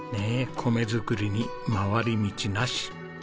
米作りに回り道なし。